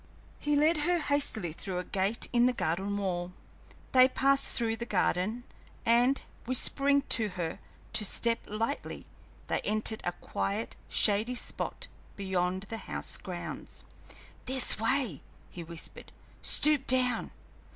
He led her hastily through a gate in the garden wall; they passed through the garden, and, whispering to her to step lightly, they entered a quiet, shady spot beyond the house grounds. "This way," he whispered. "Stoop down.